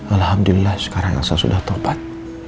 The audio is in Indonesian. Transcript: alhamdulillah sekarang saya sudah tobat